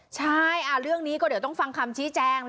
ใช่เรื่องนี้ก็เดี๋ยวต้องฟังคำชี้แจง